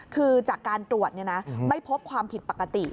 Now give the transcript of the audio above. คือจากการตรวจไม่พบความผิดปกติ